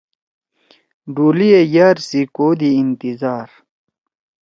ڈولی ئے یار سی کودی انتظار